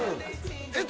えっ